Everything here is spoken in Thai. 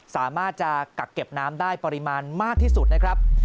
สามารถจะกักเก็บน้ำได้ปริมาณมากที่สุดนะครับ